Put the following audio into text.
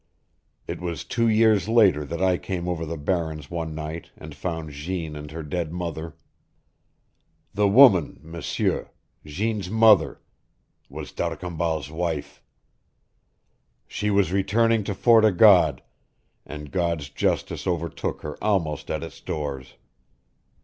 It was two years later that I came over the barrens one night and found Jeanne and her dead mother. The woman, M'sieur Jeanne's mother was D'Arcambal's wife. She was returning to Fort o' God, and God's justice overtook her almost at its doors.